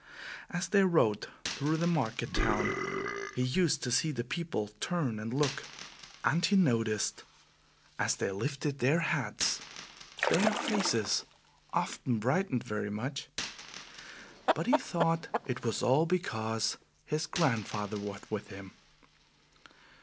As they rode through the market town, he used to see the people turn and look, and he noticed that as they lifted their hats their faces often brightened very much; but he thought it was all because his grandfather was with him.